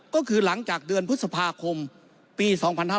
ก็คือหลังจากเดือนพฤษภาคมปี๒๕๕๙